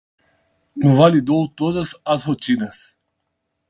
Invalidou todas as rotinas